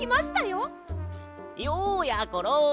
ようやころ。